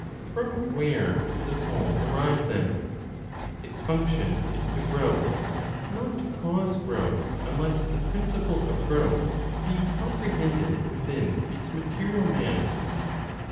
From where could the soul derive them? Its function is to grow, not to cause growth, unless the principle of growth be comprehended within its material mass.